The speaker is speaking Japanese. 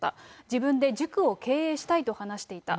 自分で塾を経営したいと話していた。